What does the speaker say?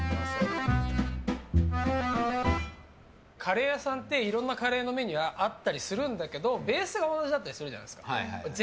カレー屋さんっていろんなカレーのメニューがあったりするんだけどベースが同じだったりするじゃない。